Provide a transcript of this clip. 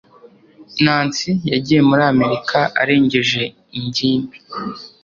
nancy yagiye muri amerika arengeje ingimbi